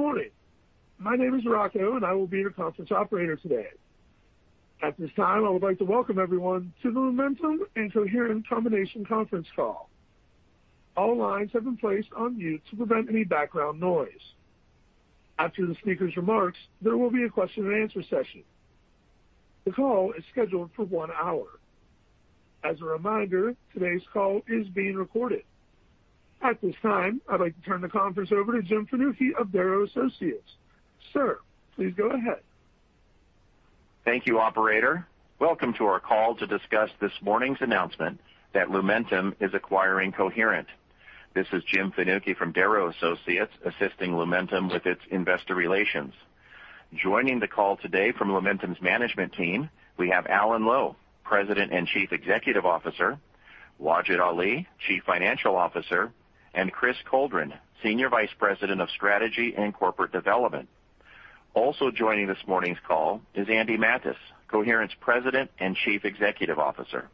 Good morning. My name is Rocco and I will be your conference operator today. At this time, I would like to welcome everyone to the Lumentum and Coherent Combination Conference Call. All lines have been placed on mute to prevent any background noise. After the speaker's remarks, there will be a question-and-answer session. The call is scheduled for one hour. As a reminder, today's call is being recorded. At this time, I'd like to turn the conference over to Jim Fanucchi of Darrow Associates. Sir, please go ahead. Thank you, Operator. Welcome to our call to discuss this morning's announcement that Lumentum is acquiring Coherent. This is Jim Fanucchi from Darrow Associates assisting Lumentum with its investor relations. Joining the call today from Lumentum's management team, we have Alan Lowe, President and Chief Executive Officer, Wajid Ali, Chief Financial Officer, and Chris Coldren, Senior Vice President of Strategy and Corporate Development. Also joining this morning's call is Andy Mattes, Coherent's President and Chief Executive Officer.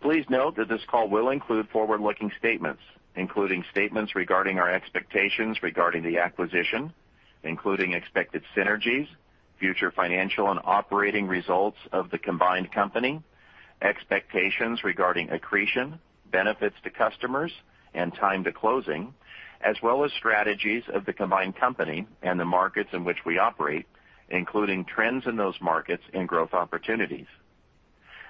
Please note that this call will include forward-looking statements, including statements regarding our expectations regarding the acquisition, including expected synergies, future financial and operating results of the combined company, expectations regarding accretion, benefits to customers, and time to closing, as well as strategies of the combined company and the markets in which we operate, including trends in those markets and growth opportunities.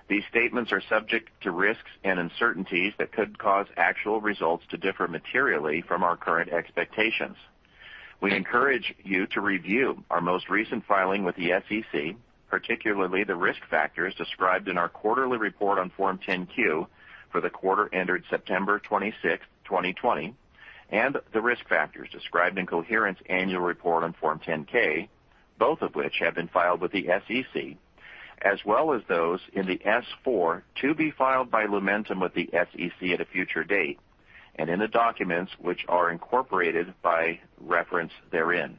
These statements are subject to risks and uncertainties that could cause actual results to differ materially from our current expectations. We encourage you to review our most recent filing with the SEC, particularly the risk factors described in our quarterly report on Form 10-Q for the quarter ended September 26, 2020, and the risk factors described in Coherent's annual report on Form 10-K, both of which have been filed with the SEC, as well as those in the S-4 to be filed by Lumentum with the SEC at a future date, and in the documents which are incorporated by reference therein.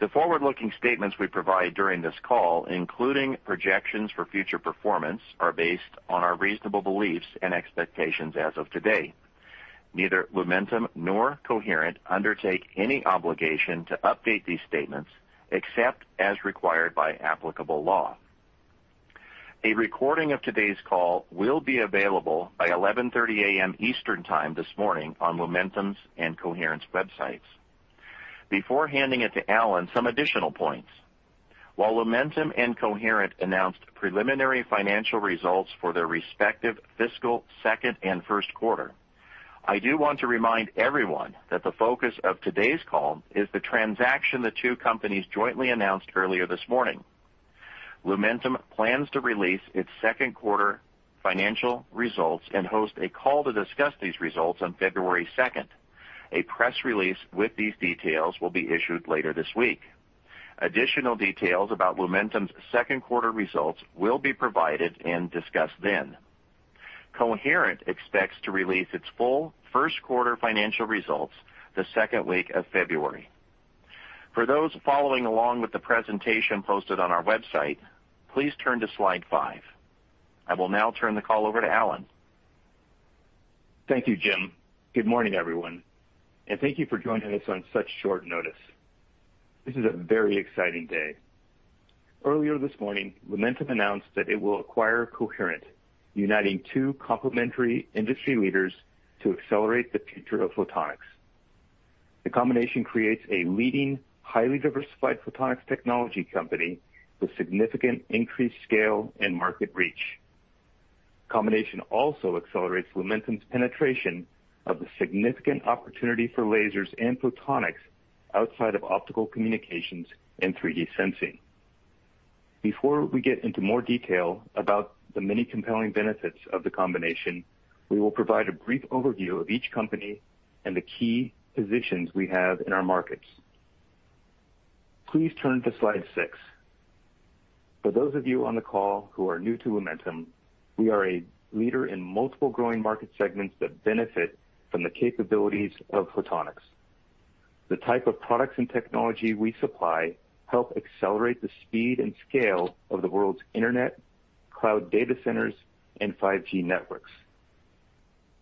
The forward-looking statements we provide during this call, including projections for future performance, are based on our reasonable beliefs and expectations as of today. Neither Lumentum nor Coherent undertake any obligation to update these statements except as required by applicable law. A recording of today's call will be available by 11:30 A.M. Eastern Time this morning on Lumentum's and Coherent's websites. Before handing it to Alan, some additional points. While Lumentum and Coherent announced preliminary financial results for their respective fiscal second and first quarter, I do want to remind everyone that the focus of today's call is the transaction the two companies jointly announced earlier this morning. Lumentum plans to release its second quarter financial results and host a call to discuss these results on February 2nd. A press release with these details will be issued later this week. Additional details about Lumentum's second quarter results will be provided and discussed then. Coherent expects to release its full first quarter financial results the second week of February. For those following along with the presentation posted on our website, please turn to slide five. I will now turn the call over to Alan. Thank you, Jim. Good morning, everyone, and thank you for joining us on such short notice. This is a very exciting day. Earlier this morning, Lumentum announced that it will acquire Coherent, uniting two complementary industry leaders to accelerate the future of photonics. The combination creates a leading, highly diversified photonics technology company with significant increased scale and market reach. The combination also accelerates Lumentum's penetration of the significant opportunity for lasers and photonics outside of optical communications and 3D sensing. Before we get into more detail about the many compelling benefits of the combination, we will provide a brief overview of each company and the key positions we have in our markets. Please turn to slide six. For those of you on the call who are new to Lumentum, we are a leader in multiple growing market segments that benefit from the capabilities of photonics. The type of products and technology we supply help accelerate the speed and scale of the world's internet, cloud data centers, and 5G networks.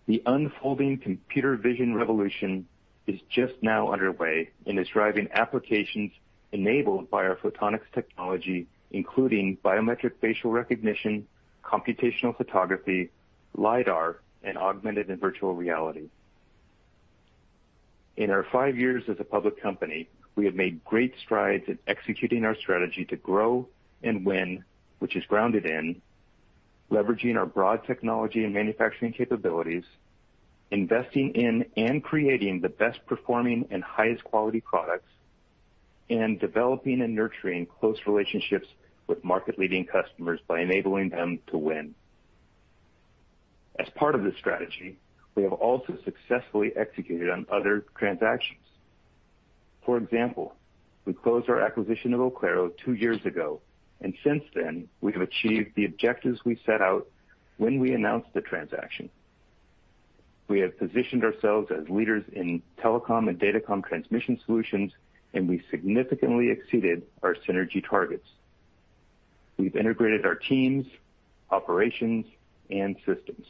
The unfolding computer vision revolution is just now underway and is driving applications enabled by our photonics technology, including biometric facial recognition, computational photography, LiDAR, and augmented and virtual reality. In our five years as a public company, we have made great strides in executing our strategy to grow and win, which is grounded in leveraging our broad technology and manufacturing capabilities, investing in and creating the best performing and highest quality products, and developing and nurturing close relationships with market-leading customers by enabling them to win. As part of this strategy, we have also successfully executed on other transactions. For example, we closed our acquisition of Oclaro two years ago, and since then, we have achieved the objectives we set out when we announced the transaction. We have positioned ourselves as leaders in telecom and datacom transmission solutions, and we significantly exceeded our synergy targets. We've integrated our teams, operations, and systems.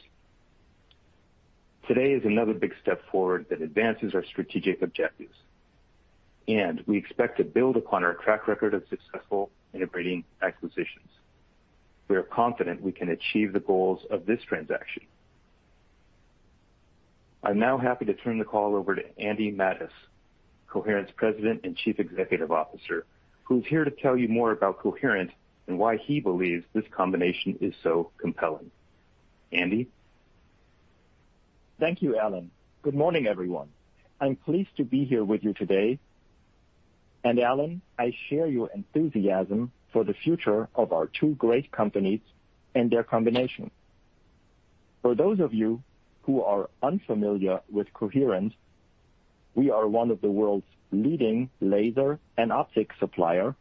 Today is another big step forward that advances our strategic objectives, and we expect to build upon our track record of successful integrating acquisitions. We are confident we can achieve the goals of this transaction. I'm now happy to turn the call over to Andy Mattes, Coherent's President and Chief Executive Officer, who's here to tell you more about Coherent and why he believes this combination is so compelling. Andy? Thank you, Alan. Good morning, everyone. I'm pleased to be here with you today. Alan, I share your enthusiasm for the future of our two great companies and their combination. For those of you who are unfamiliar with Coherent, we are one of the world's leading laser and optics suppliers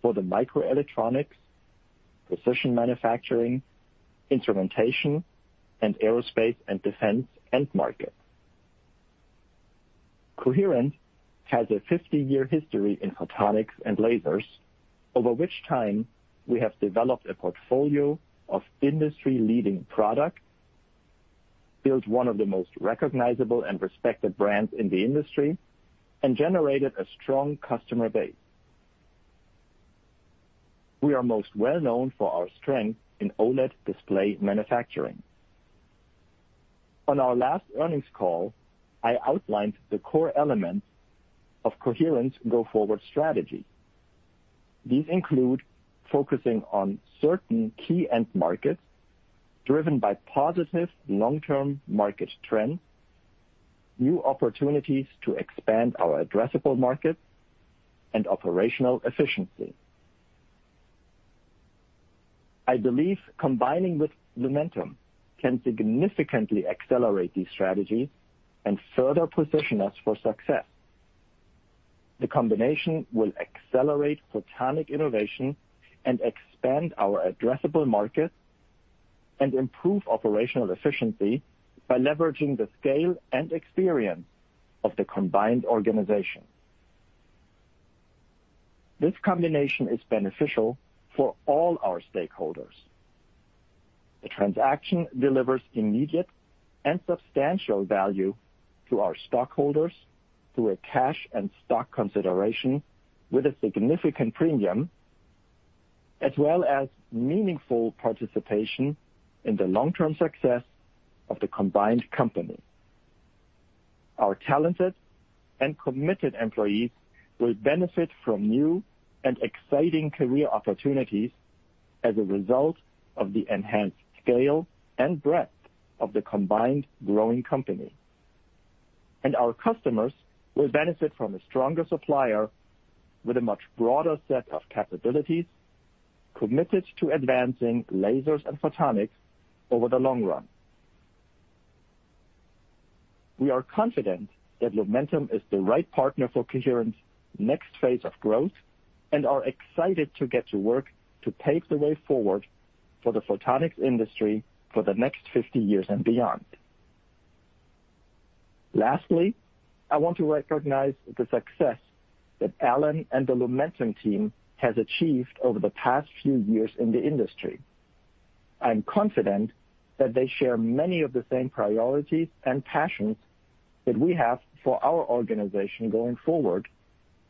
for the microelectronics, precision manufacturing, instrumentation, and aerospace and defense end market. Coherent has a 50-year history in photonics and lasers, over which time we have developed a portfolio of industry-leading products, built one of the most recognizable and respected brands in the industry, and generated a strong customer base. We are most well-known for our strength in OLED display manufacturing. On our last earnings call, I outlined the core elements of Coherent's go-forward strategy. These include focusing on certain key end markets driven by positive long-term market trends, new opportunities to expand our addressable market, and operational efficiency. I believe combining with Lumentum can significantly accelerate these strategies and further position us for success. The combination will accelerate photonic innovation and expand our addressable market and improve operational efficiency by leveraging the scale and experience of the combined organization. This combination is beneficial for all our stakeholders. The transaction delivers immediate and substantial value to our stockholders through a cash and stock consideration with a significant premium, as well as meaningful participation in the long-term success of the combined company. Our talented and committed employees will benefit from new and exciting career opportunities as a result of the enhanced scale and breadth of the combined growing company, and our customers will benefit from a stronger supplier with a much broader set of capabilities committed to advancing lasers and photonics over the long run. We are confident that Lumentum is the right partner for Coherent's next phase of growth and are excited to get to work to pave the way forward for the photonics industry for the next 50 years and beyond. Lastly, I want to recognize the success that Alan and the Lumentum team have achieved over the past few years in the industry. I'm confident that they share many of the same priorities and passions that we have for our organization going forward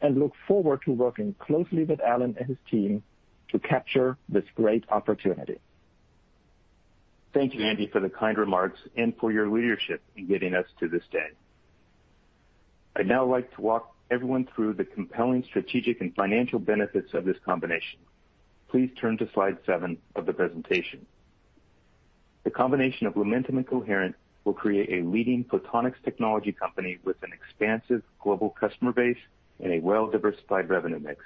and look forward to working closely with Alan and his team to capture this great opportunity. Thank you, Andy, for the kind remarks and for your leadership in getting us to this day. I'd now like to walk everyone through the compelling strategic and financial benefits of this combination. Please turn to slide seven of the presentation. The combination of Lumentum and Coherent will create a leading photonics technology company with an expansive global customer base and a well-diversified revenue mix.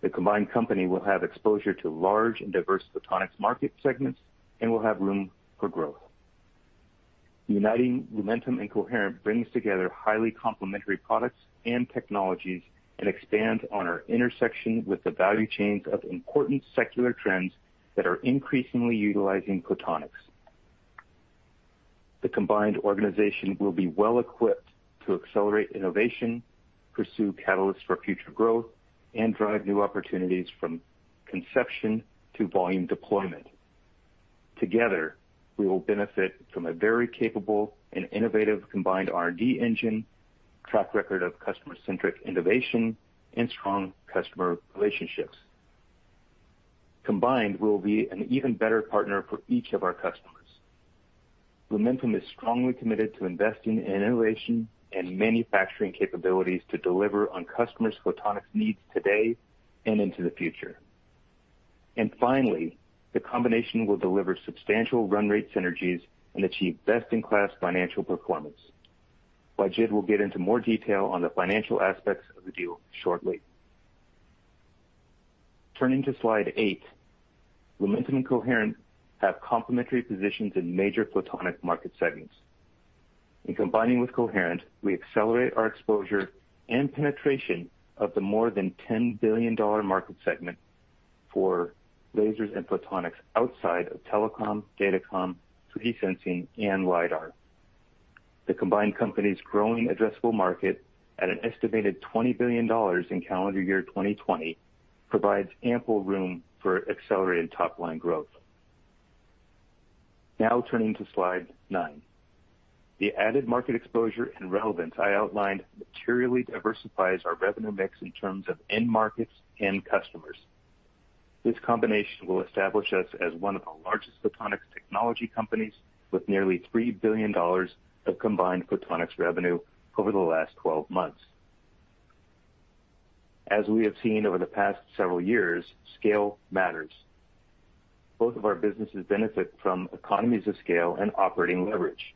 The combined company will have exposure to large and diverse photonics market segments and will have room for growth. Uniting Lumentum and Coherent brings together highly complementary products and technologies and expands on our intersection with the value chains of important secular trends that are increasingly utilizing photonics. The combined organization will be well-equipped to accelerate innovation, pursue catalysts for future growth, and drive new opportunities from conception to volume deployment. Together, we will benefit from a very capable and innovative combined R&D engine, track record of customer-centric innovation, and strong customer relationships. Combined, we'll be an even better partner for each of our customers. Lumentum is strongly committed to investing in innovation and manufacturing capabilities to deliver on customers' photonics needs today and into the future, and finally, the combination will deliver substantial run-rate synergies and achieve best-in-class financial performance. Wajid will get into more detail on the financial aspects of the deal shortly. Turning to slide eight, Lumentum and Coherent have complementary positions in major photonic market segments. In combining with Coherent, we accelerate our exposure and penetration of the more than $10 billion market segment for lasers and photonics outside of telecom, datacom, 3D sensing, and LiDAR. The combined company's growing addressable market at an estimated $20 billion in calendar year 2020 provides ample room for accelerated top-line growth. Now turning to slide nine, the added market exposure and relevance I outlined materially diversifies our revenue mix in terms of end markets and customers. This combination will establish us as one of the largest photonics technology companies with nearly $3 billion of combined photonics revenue over the last 12 months. As we have seen over the past several years, scale matters. Both of our businesses benefit from economies of scale and operating leverage.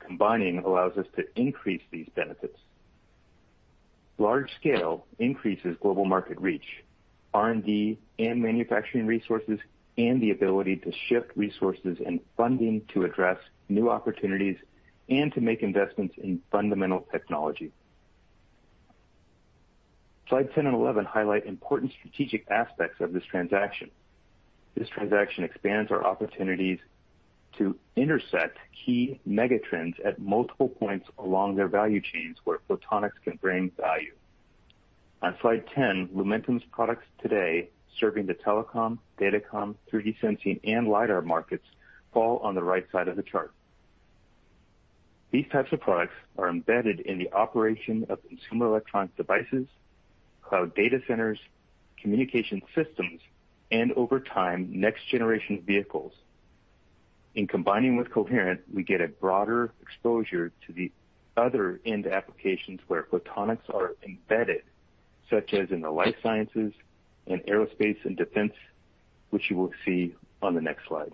Combining allows us to increase these benefits. Large scale increases global market reach, R&D and manufacturing resources, and the ability to shift resources and funding to address new opportunities and to make investments in fundamental technology. Slide 10 and 11 highlight important strategic aspects of this transaction. This transaction expands our opportunities to intersect key mega trends at multiple points along their value chains where photonics can bring value. On slide 10, Lumentum's products today serving the telecom, datacom, 3D sensing, and LiDAR markets fall on the right side of the chart. These types of products are embedded in the operation of consumer electronic devices, cloud data centers, communication systems, and over time, next-generation vehicles. In combining with Coherent, we get a broader exposure to the other end applications where photonics are embedded, such as in the life sciences and aerospace and defense, which you will see on the next slide.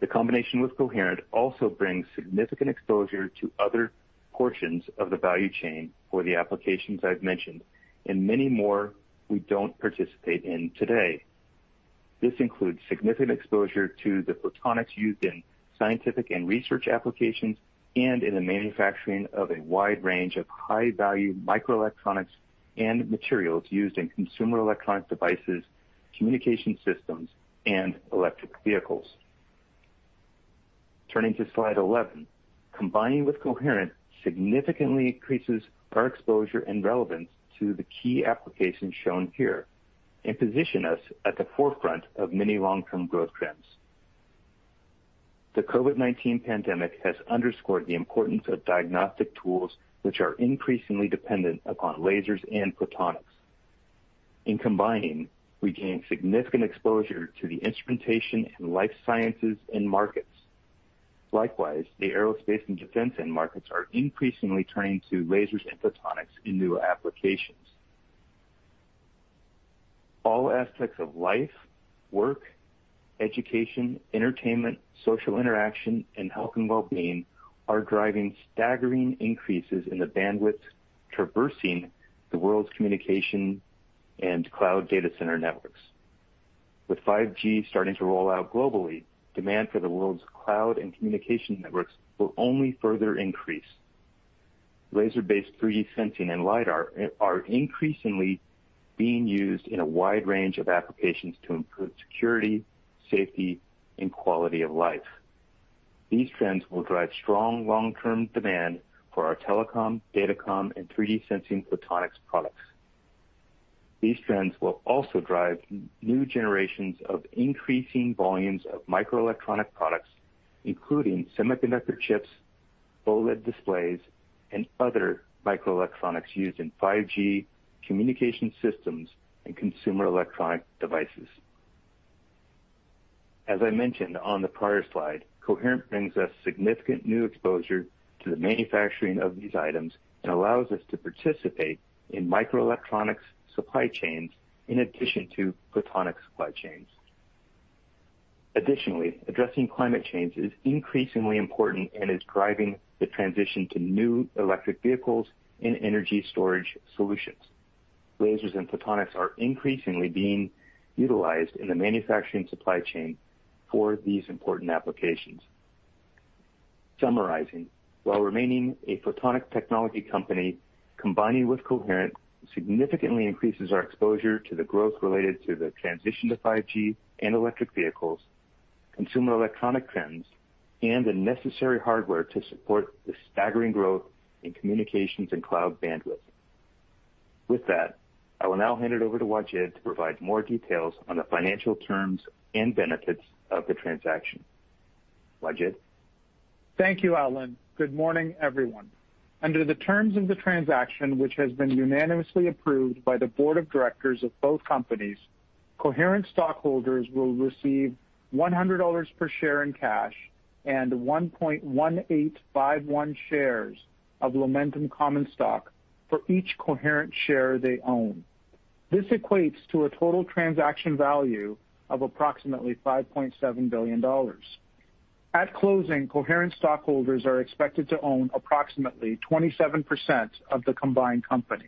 The combination with Coherent also brings significant exposure to other portions of the value chain for the applications I've mentioned and many more we don't participate in today. This includes significant exposure to the photonics used in scientific and research applications and in the manufacturing of a wide range of high-value microelectronics and materials used in consumer electronic devices, communication systems, and electric vehicles. Turning to slide 11, combining with Coherent significantly increases our exposure and relevance to the key applications shown here and position us at the forefront of many long-term growth trends. The COVID-19 pandemic has underscored the importance of diagnostic tools, which are increasingly dependent upon lasers and photonics. In combining, we gain significant exposure to the instrumentation and life sciences and markets. Likewise, the aerospace and defense end markets are increasingly turning to lasers and photonics in new applications. All aspects of life, work, education, entertainment, social interaction, and health and well-being are driving staggering increases in the bandwidth traversing the world's communication and cloud data center networks. With 5G starting to roll out globally, demand for the world's cloud and communication networks will only further increase. Laser-based 3D sensing and LiDAR are increasingly being used in a wide range of applications to improve security, safety, and quality of life. These trends will drive strong long-term demand for our telecom, datacom, and 3D sensing photonics products. These trends will also drive new generations of increasing volumes of microelectronic products, including semiconductor chips, OLED displays, and other microelectronics used in 5G communication systems and consumer electronic devices. As I mentioned on the prior slide, Coherent brings us significant new exposure to the manufacturing of these items and allows us to participate in microelectronics supply chains in addition to photonics supply chains. Additionally, addressing climate change is increasingly important and is driving the transition to new electric vehicles and energy storage solutions. Lasers and photonics are increasingly being utilized in the manufacturing supply chain for these important applications. Summarizing, while remaining a photonic technology company, combining with Coherent significantly increases our exposure to the growth related to the transition to 5G and electric vehicles, consumer electronic trends, and the necessary hardware to support the staggering growth in communications and cloud bandwidth. With that, I will now hand it over to Wajid to provide more details on the financial terms and benefits of the transaction. Wajid? Thank you, Alan. Good morning, everyone. Under the terms of the transaction, which has been unanimously approved by the board of directors of both companies, Coherent stockholders will receive $100 per share in cash and 1.1851 shares of Lumentum common stock for each Coherent share they own. This equates to a total transaction value of approximately $5.7 billion. At closing, Coherent stockholders are expected to own approximately 27% of the combined company.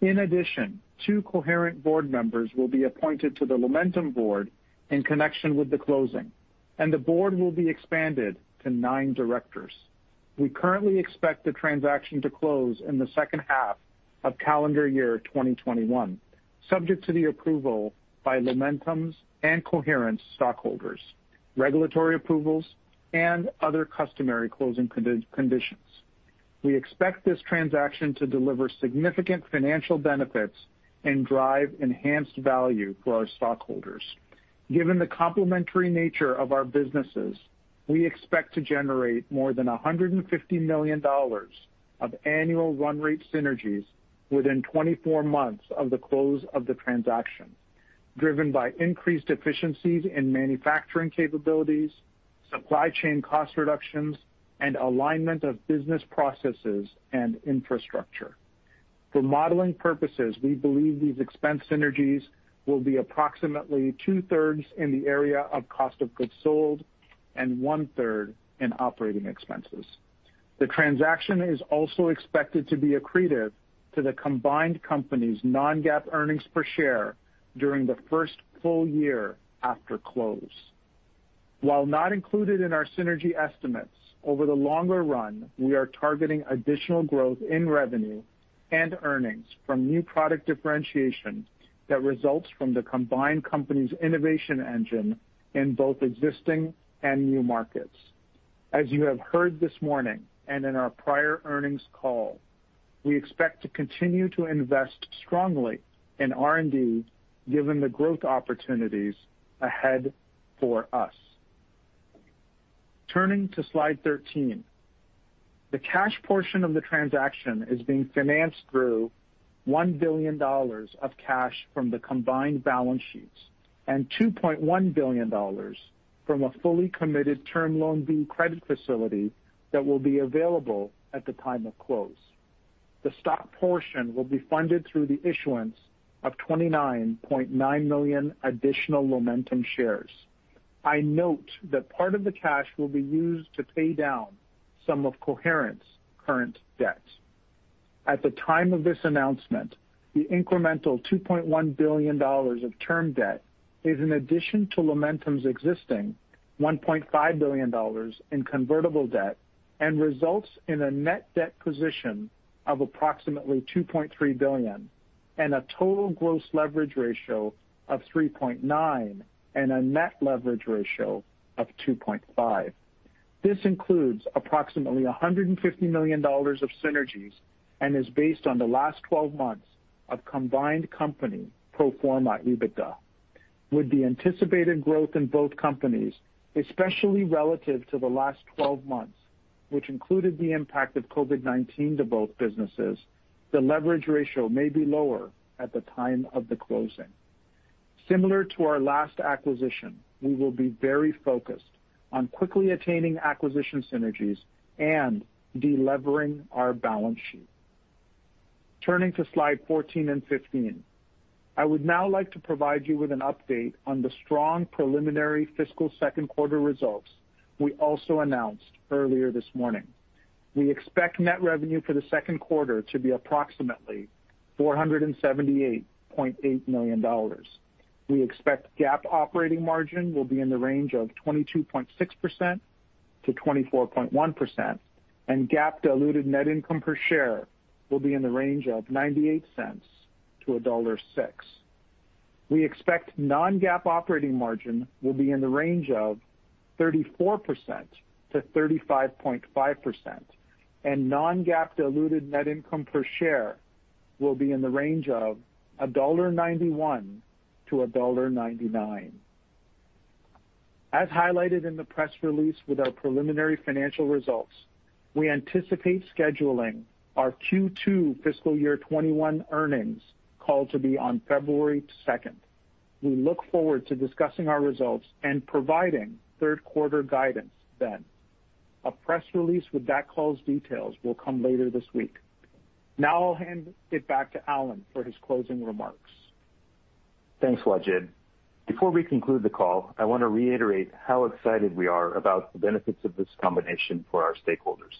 In addition, two Coherent board members will be appointed to the Lumentum board in connection with the closing, and the board will be expanded to nine directors. We currently expect the transaction to close in the second half of calendar year 2021, subject to the approval by Lumentum's and Coherent's stockholders, regulatory approvals, and other customary closing conditions. We expect this transaction to deliver significant financial benefits and drive enhanced value for our stockholders. Given the complementary nature of our businesses, we expect to generate more than $150 million of annual run-rate synergies within 24 months of the close of the transaction, driven by increased efficiencies in manufacturing capabilities, supply chain cost reductions, and alignment of business processes and infrastructure. For modeling purposes, we believe these expense synergies will be approximately two-thirds in the area of cost of goods sold and one-third in operating expenses. The transaction is also expected to be accretive to the combined company's non-GAAP earnings per share during the first full year after close. While not included in our synergy estimates, over the longer run, we are targeting additional growth in revenue and earnings from new product differentiation that results from the combined company's innovation engine in both existing and new markets. As you have heard this morning and in our prior earnings call, we expect to continue to invest strongly in R&D given the growth opportunities ahead for us. Turning to slide 13, the cash portion of the transaction is being financed through $1 billion of cash from the combined balance sheets and $2.1 billion from a fully committed Term Loan B credit facility that will be available at the time of close. The stock portion will be funded through the issuance of $29.9 million additional Lumentum shares. I note that part of the cash will be used to pay down some of Coherent's current debt. At the time of this announcement, the incremental $2.1 billion of term debt is in addition to Lumentum's existing $1.5 billion in convertible debt and results in a net debt position of approximately $2.3 billion and a total gross leverage ratio of 3.9 and a net leverage ratio of 2.5. This includes approximately $150 million of synergies and is based on the last 12 months of combined company pro forma EBITDA. With the anticipated growth in both companies, especially relative to the last 12 months, which included the impact of COVID-19 to both businesses, the leverage ratio may be lower at the time of the closing. Similar to our last acquisition, we will be very focused on quickly attaining acquisition synergies and delevering our balance sheet. Turning to slide 14 and 15, I would now like to provide you with an update on the strong preliminary fiscal second quarter results we also announced earlier this morning. We expect net revenue for the second quarter to be approximately $478.8 million. We expect GAAP operating margin will be in the range of 22.6%-24.1%, and GAAP diluted net income per share will be in the range of $0.98-$1.06. We expect non-GAAP operating margin will be in the range of 34%-35.5%, and non-GAAP diluted net income per share will be in the range of $1.91-$1.99. As highlighted in the press release with our preliminary financial results, we anticipate scheduling our Q2 fiscal year 2021 earnings call to be on February 2nd. We look forward to discussing our results and providing third quarter guidance then. A press release with that call's details will come later this week. Now I'll hand it back to Alan for his closing remarks. Thanks, Wajid. Before we conclude the call, I want to reiterate how excited we are about the benefits of this combination for our stakeholders.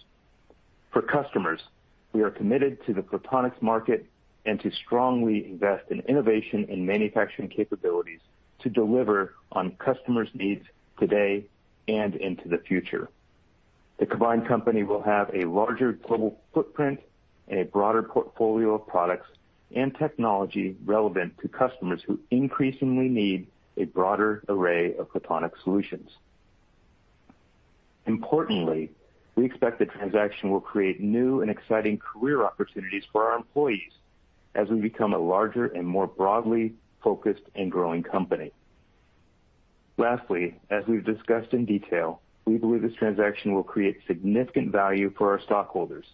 For customers, we are committed to the photonics market and to strongly invest in innovation and manufacturing capabilities to deliver on customers' needs today and into the future. The combined company will have a larger global footprint and a broader portfolio of products and technology relevant to customers who increasingly need a broader array of photonics solutions. Importantly, we expect the transaction will create new and exciting career opportunities for our employees as we become a larger and more broadly focused and growing company. Lastly, as we've discussed in detail, we believe this transaction will create significant value for our stockholders.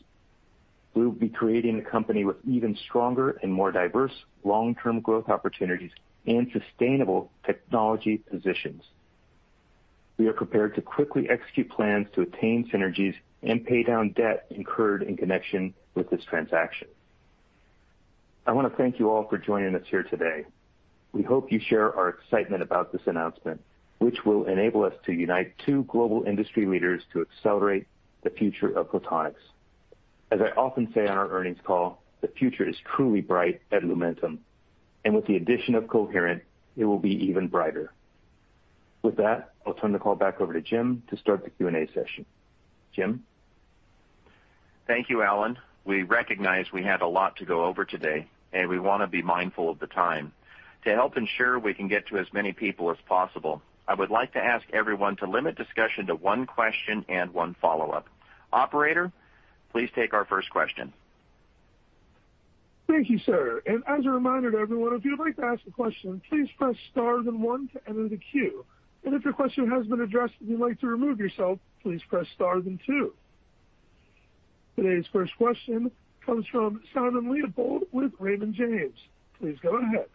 We will be creating a company with even stronger and more diverse long-term growth opportunities and sustainable technology positions. We are prepared to quickly execute plans to attain synergies and pay down debt incurred in connection with this transaction. I want to thank you all for joining us here today. We hope you share our excitement about this announcement, which will enable us to unite two global industry leaders to accelerate the future of photonics. As I often say on our earnings call, the future is truly bright at Lumentum, and with the addition of Coherent, it will be even brighter. With that, I'll turn the call back over to Jim to start the Q&A session. Jim? Thank you, Alan. We recognize we had a lot to go over today, and we want to be mindful of the time. To help ensure we can get to as many people as possible, I would like to ask everyone to limit discussion to one question and one follow-up. Operator, please take our first question. Thank you, sir. And as a reminder to everyone, if you'd like to ask a question, please press star then one to enter the queue. And if your question has been addressed and you'd like to remove yourself, please press star then two. Today's first question comes from Simon Leopold with Raymond James. Please go ahead.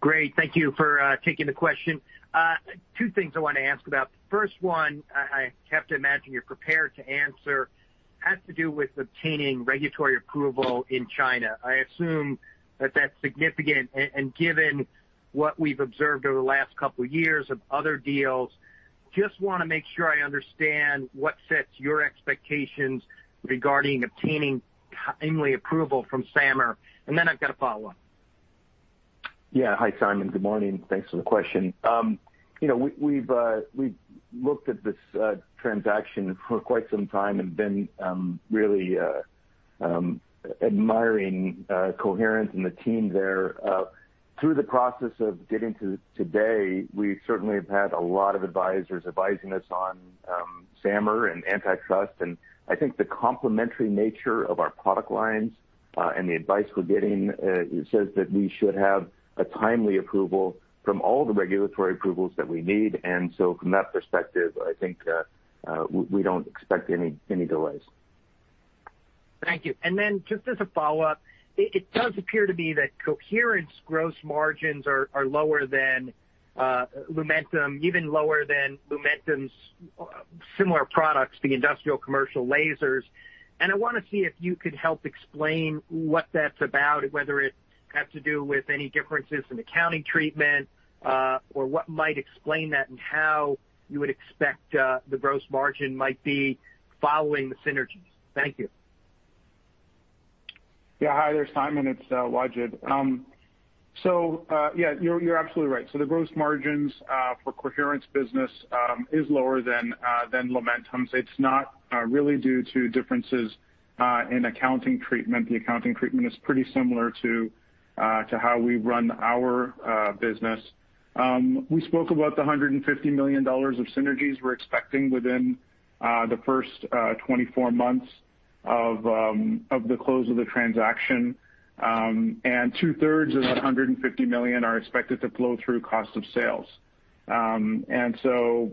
Great. Thank you for taking the question. Two things I want to ask about. The first one, I have to imagine you're prepared to answer, has to do with obtaining regulatory approval in China. I assume that that's significant, and given what we've observed over the last couple of years of other deals, just want to make sure I understand what sets your expectations regarding obtaining timely approval from SAMR. And then I've got a follow-up. Yeah. Hi, Simon. Good morning. Thanks for the question. We've looked at this transaction for quite some time and been really admiring Coherent and the team there. Through the process of getting to today, we certainly have had a lot of advisors advising us on SAMR and antitrust. And I think the complementary nature of our product lines and the advice we're getting says that we should have a timely approval from all the regulatory approvals that we need. And so from that perspective, I think we don't expect any delays. Thank you. And then just as a follow-up, it does appear to be that Coherent's gross margins are lower than Lumentum, even lower than Lumentum's similar products, the industrial commercial lasers. And I want to see if you could help explain what that's about, whether it has to do with any differences in accounting treatment or what might explain that and how you would expect the gross margin might be following the synergies. Thank you. Yeah. Hi Simon, it's Wajid. So yeah, you're absolutely right. So the gross margins for Coherent's business is lower than Lumentum's. It's not really due to differences in accounting treatment. The accounting treatment is pretty similar to how we run our business. We spoke about the $150 million of synergies we're expecting within the first 24 months of the close of the transaction. And two-thirds of that $150 million are expected to flow through cost of sales. And so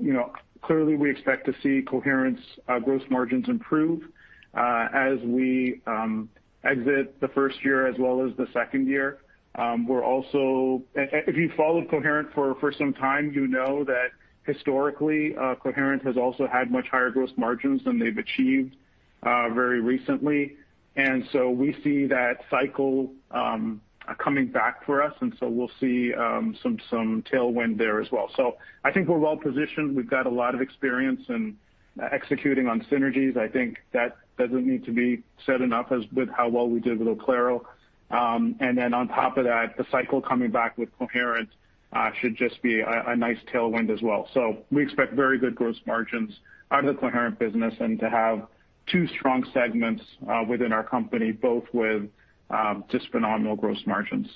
clearly, we expect to see Coherent's gross margins improve as we exit the first year as well as the second year. If you've followed Coherent for some time, you know that historically, Coherent has also had much higher gross margins than they've achieved very recently. And so we see that cycle coming back for us. And so we'll see some tailwind there as well. So I think we're well-positioned. We've got a lot of experience in executing on synergies. I think that doesn't need to be said enough with how well we did with Oclaro. And then on top of that, the cycle coming back with Coherent should just be a nice tailwind as well. So we expect very good gross margins out of the Coherent business and to have two strong segments within our company, both with just phenomenal gross margins.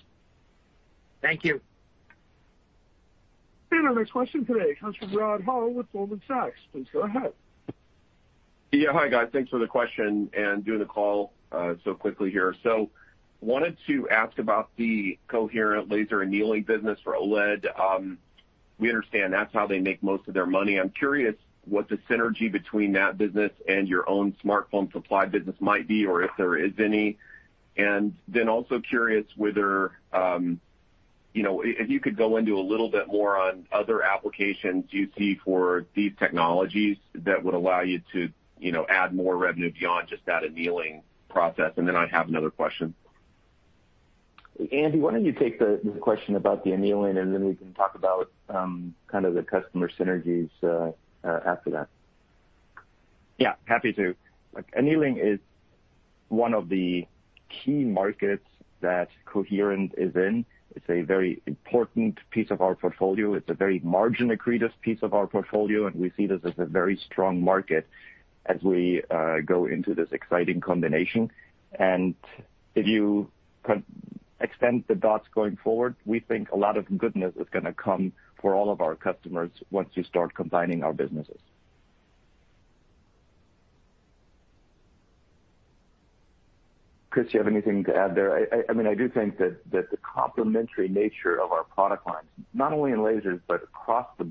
Thank you. Our next question today comes from Rod Hall with Goldman Sachs. Please go ahead. Yeah. Hi, guys. Thanks for the question and doing the call so quickly here. So wanted to ask about the Coherent laser annealing business for OLED. We understand that's how they make most of their money. I'm curious what the synergy between that business and your own smartphone supply business might be, or if there is any. And then also curious whether if you could go into a little bit more on other applications you see for these technologies that would allow you to add more revenue beyond just that annealing process. And then I have another question. Andy, why don't you take the question about the annealing, and then we can talk about kind of the customer synergies after that. Yeah. Happy to. Annealing is one of the key markets that Coherent is in. It's a very important piece of our portfolio. It's a very margin accretive piece of our portfolio, and we see this as a very strong market as we go into this exciting combination. And if you extend the dots going forward, we think a lot of goodness is going to come for all of our customers once you start combining our businesses. Chris, do you have anything to add there? I mean, I do think that the complementary nature of our product lines, not only in lasers, but across the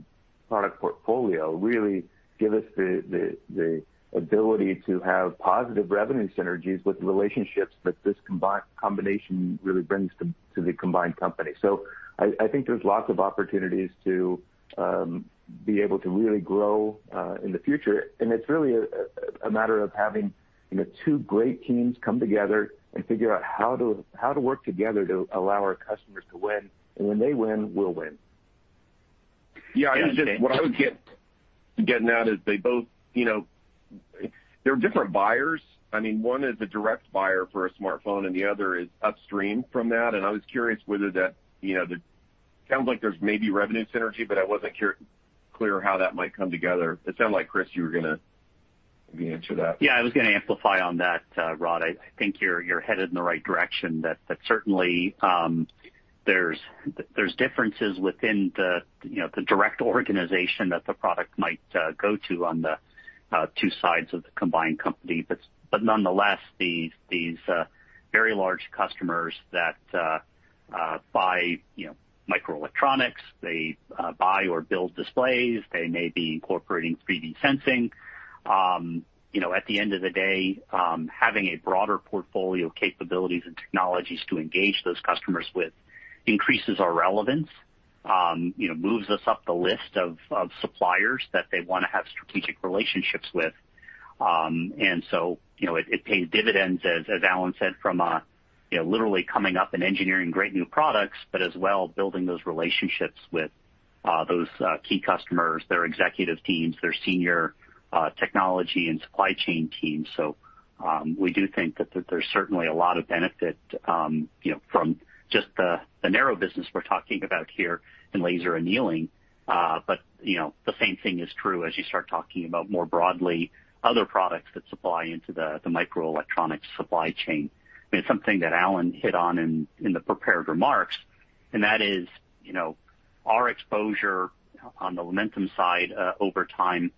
product portfolio, really gives us the ability to have positive revenue synergies with relationships that this combination really brings to the combined company, so I think there's lots of opportunities to be able to really grow in the future, and it's really a matter of having two great teams come together and figure out how to work together to allow our customers to win, and when they win, we'll win. Yeah. What I was getting at is they both, they're different buyers. I mean, one is a direct buyer for a smartphone, and the other is upstream from that. And I was curious whether that sounds like there's maybe revenue synergy, but I wasn't clear how that might come together. It sounded like Chris, you were going to maybe answer that. Yeah. I was going to amplify on that, Rod. I think you're headed in the right direction, that certainly there's differences within the direct organization that the product might go to on the two sides of the combined company. But nonetheless, these very large customers that buy microelectronics, they buy or build displays, they may be incorporating 3D sensing. At the end of the day, having a broader portfolio of capabilities and technologies to engage those customers with increases our relevance, moves us up the list of suppliers that they want to have strategic relationships with. And so it pays dividends, as Alan said, from literally coming up and engineering great new products, but as well building those relationships with those key customers, their executive teams, their senior technology and supply chain teams. So we do think that there's certainly a lot of benefit from just the narrow business we're talking about here in laser annealing. But the same thing is true as you start talking about more broadly other products that supply into the microelectronics supply chain. I mean, it's something that Alan hit on in the prepared remarks, and that is our exposure on the Lumentum side over time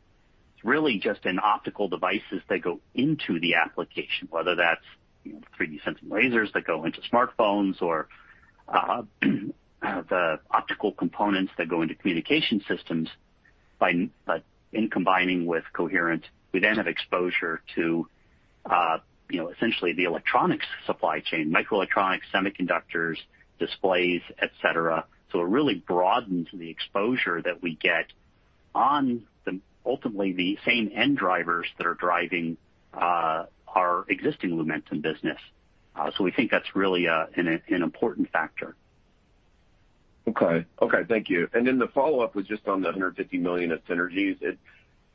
is really just in optical devices that go into the application, whether that's 3D sensing lasers that go into smartphones or the optical components that go into communication systems. By combining with Coherent, we then have exposure to essentially the electronics supply chain, microelectronics, semiconductors, displays, etc. So we think that's really an important factor. Okay. Okay. Thank you. And then the follow-up was just on the $150 million of synergies.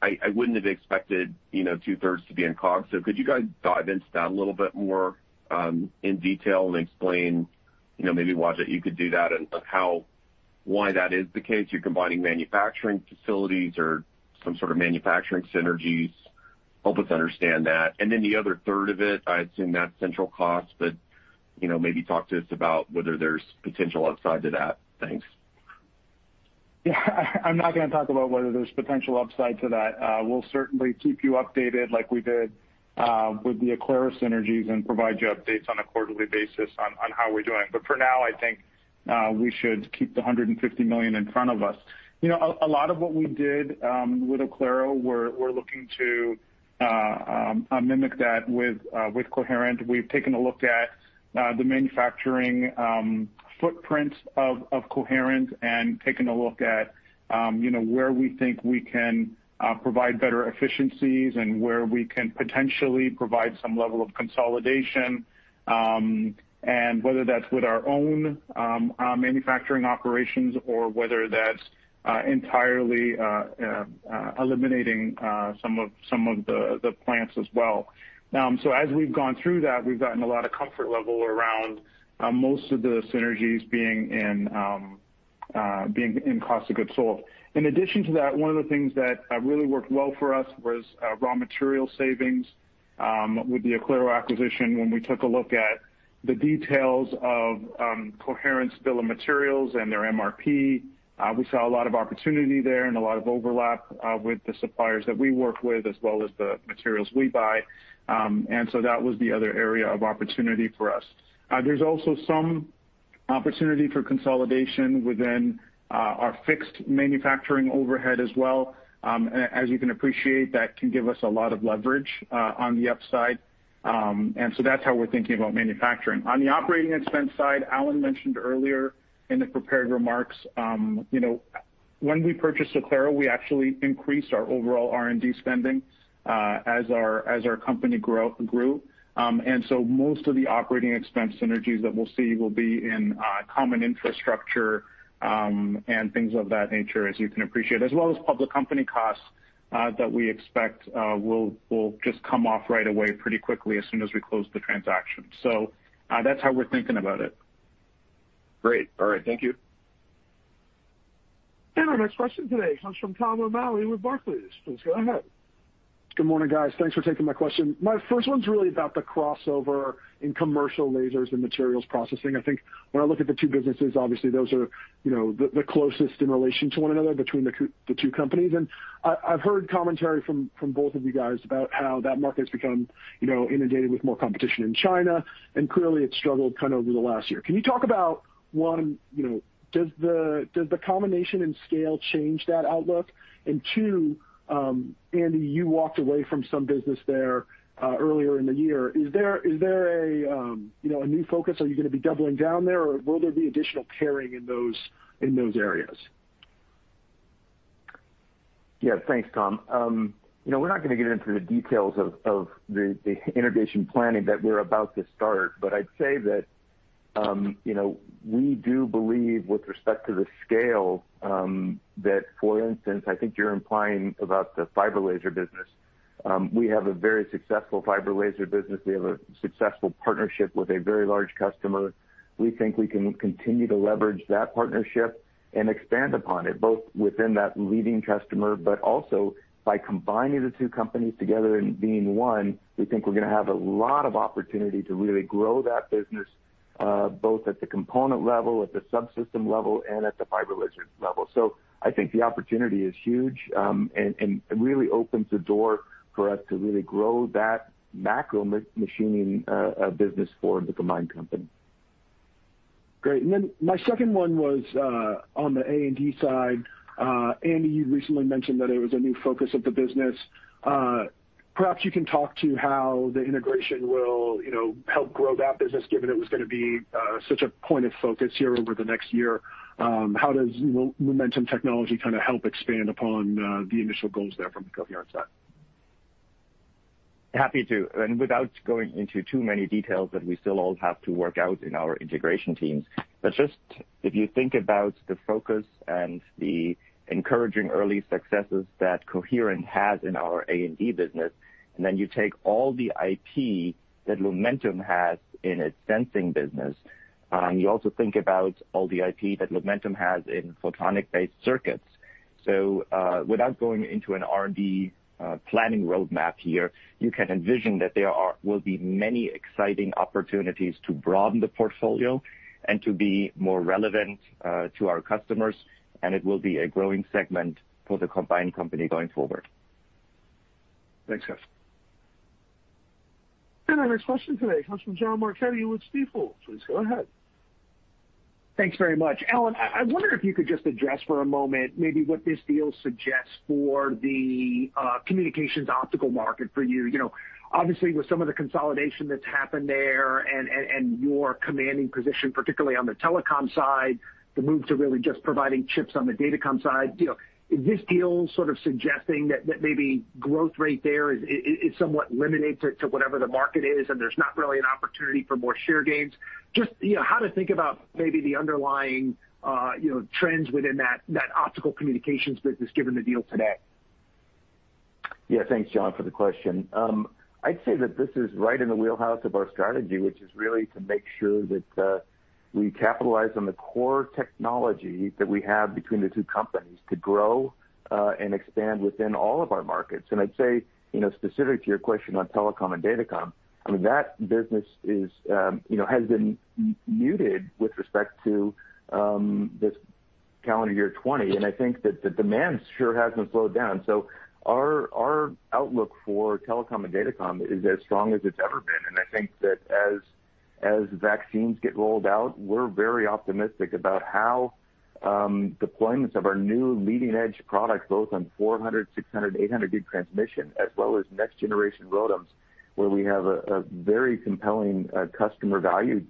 I wouldn't have expected two-thirds to be in COGS. So could you guys dive into that a little bit more in detail and explain, maybe Wajid, you could do that, and why that is the case? You're combining manufacturing facilities or some sort of manufacturing synergies. Help us understand that. And then the other third of it, I assume that's central cost, but maybe talk to us about whether there's potential upside to that. Thanks. Yeah. I'm not going to talk about whether there's potential upside to that. We'll certainly keep you updated like we did with the Oclaro synergies and provide you updates on a quarterly basis on how we're doing. But for now, I think we should keep the $150 million in front of us. A lot of what we did with Oclaro, we're looking to mimic that with Coherent. We've taken a look at the manufacturing footprint of Coherent and taken a look at where we think we can provide better efficiencies and where we can potentially provide some level of consolidation, and whether that's with our own manufacturing operations or whether that's entirely eliminating some of the plants as well. So as we've gone through that, we've gotten a lot of comfort level around most of the synergies being in cost of goods sold. In addition to that, one of the things that really worked well for us was raw material savings with the Oclaro acquisition. When we took a look at the details of Coherent's bill of materials and their MRP, we saw a lot of opportunity there and a lot of overlap with the suppliers that we work with as well as the materials we buy. And so that was the other area of opportunity for us. There's also some opportunity for consolidation within our fixed manufacturing overhead as well. As you can appreciate, that can give us a lot of leverage on the upside. And so that's how we're thinking about manufacturing. On the operating expense side, Alan mentioned earlier in the prepared remarks, when we purchased Oclaro, we actually increased our overall R&D spending as our company grew. And so most of the operating expense synergies that we'll see will be in common infrastructure and things of that nature, as you can appreciate, as well as public company costs that we expect will just come off right away pretty quickly as soon as we close the transaction. So that's how we're thinking about it. Great. All right. Thank you. And our next question today comes from Tom O'Malley with Barclays. Please go ahead. Good morning, guys. Thanks for taking my question. My first one's really about the crossover in commercial lasers and materials processing. I think when I look at the two businesses, obviously those are the closest in relation to one another between the two companies. And I've heard commentary from both of you guys about how that market's become inundated with more competition in China, and clearly it's struggled kind of over the last year. Can you talk about one, does the combination and scale change that outlook? And two, Andy, you walked away from some business there earlier in the year. Is there a new focus? Are you going to be doubling down there, or will there be additional paring in those areas? Yeah. Thanks, Tom. We're not going to get into the details of the integration planning that we're about to start, but I'd say that we do believe with respect to the scale that, for instance, I think you're implying about the fiber laser business. We have a very successful fiber laser business. We have a successful partnership with a very large customer. We think we can continue to leverage that partnership and expand upon it, both within that leading customer, but also by combining the two companies together and being one, we think we're going to have a lot of opportunity to really grow that business both at the component level, at the subsystem level, and at the fiber laser level. So I think the opportunity is huge and really opens the door for us to really grow that macromachining business for the combined company. Great. And then my second one was on the A&D side. Andy, you recently mentioned that it was a new focus of the business. Perhaps you can talk to how the integration will help grow that business, given it was going to be such a point of focus here over the next year. How does Lumentum kind of help expand upon the initial goals there from the Coherent side? Happy to. And without going into too many details that we still all have to work out in our integration teams, but just if you think about the focus and the encouraging early successes that Coherent has in our A&D business, and then you take all the IP that Lumentum has in its sensing business, you also think about all the IP that Lumentum has in photonic-based circuits. So without going into an R&D planning roadmap here, you can envision that there will be many exciting opportunities to broaden the portfolio and to be more relevant to our customers, and it will be a growing segment for the combined company going forward. Thanks, guys. And our next question today comes from John Marchetti with Stifel. Please go ahead. Thanks very much. Alan, I wonder if you could just address for a moment maybe what this deal suggests for the optical communications market for you. Obviously, with some of the consolidation that's happened there and your commanding position, particularly on the telecom side, the move to really just providing chips on the datacom side, is this deal sort of suggesting that maybe growth rate there is somewhat limited to whatever the market is, and there's not really an opportunity for more share gains? Just how to think about maybe the underlying trends within that optical communications business given the deal today. Yeah. Thanks, John, for the question. I'd say that this is right in the wheelhouse of our strategy, which is really to make sure that we capitalize on the core technology that we have between the two companies to grow and expand within all of our markets. And I'd say specific to your question on telecom and datacom, I mean, that business has been muted with respect to this calendar year 2020, and I think that the demand sure hasn't slowed down. So our outlook for telecom and datacom is as strong as it's ever been. And I think that as vaccines get rolled out, we're very optimistic about how deployments of our new leading-edge products, both on 400, 600, 800 gig transmission, as well as next-generation ROADMs, where we have a very compelling customer value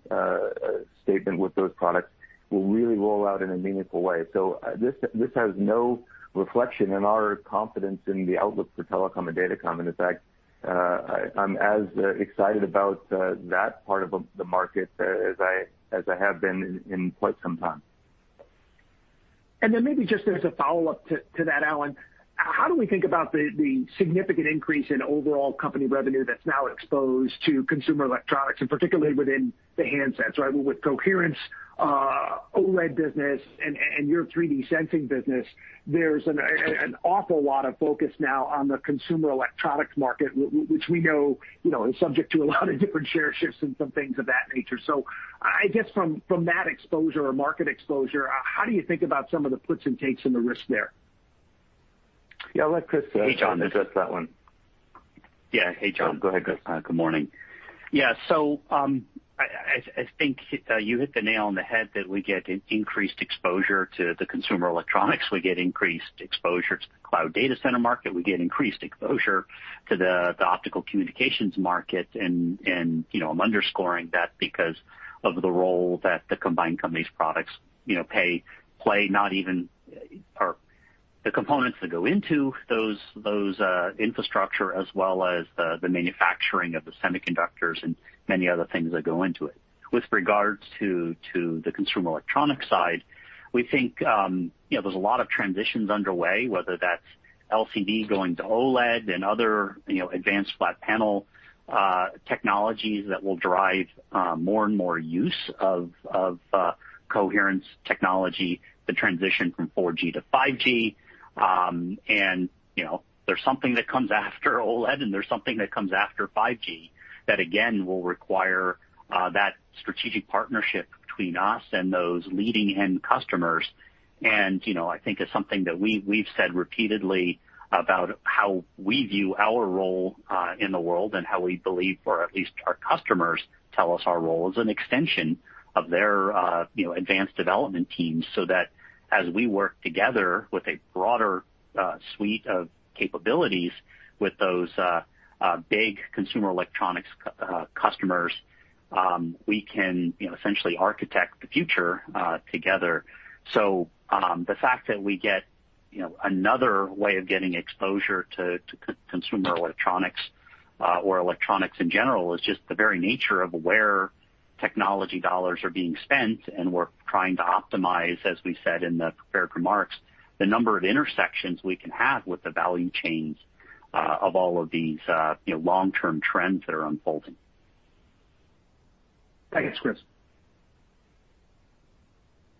statement with those products, will really roll out in a meaningful way. So this has no reflection in our confidence in the outlook for telecom and datacom. And in fact, I'm as excited about that part of the market as I have been in quite some time. And then maybe just as a follow-up to that, Alan, how do we think about the significant increase in overall company revenue that's now exposed to consumer electronics, and particularly within the handsets, right? With Coherent's OLED business and your 3D sensing business, there's an awful lot of focus now on the consumer electronics market, which we know is subject to a lot of different share shifts and some things of that nature. So I guess from that exposure or market exposure, how do you think about some of the puts and takes and the risks there? Yeah. Let Chris. Hey, John. Address that one. Yeah. Hey, John. Good morning. Good morning. Yeah. So I think you hit the nail on the head that we get increased exposure to the consumer electronics. We get increased exposure to the cloud data center market. We get increased exposure to the optical communications market. And I'm underscoring that because of the role that the combined company's products play, not even the components that go into those infrastructure, as well as the manufacturing of the semiconductors and many other things that go into it. With regards to the consumer electronics side, we think there's a lot of transitions underway, whether that's LCD going to OLED and other advanced flat panel technologies that will drive more and more use of Coherent's technology, the transition from 4G to 5G. And there's something that comes after OLED, and there's something that comes after 5G that, again, will require that strategic partnership between us and those leading-end customers. I think it's something that we've said repeatedly about how we view our role in the world and how we believe, or at least our customers tell us our role as an extension of their advanced development teams, so that as we work together with a broader suite of capabilities with those big consumer electronics customers, we can essentially architect the future together. The fact that we get another way of getting exposure to consumer electronics or electronics in general is just the very nature of where technology dollars are being spent, and we're trying to optimize, as we said in the prepared remarks, the number of intersections we can have with the value chains of all of these long-term trends that are unfolding. Thanks, Chris.